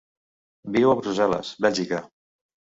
Viu a Brussel·les, Bèlgica.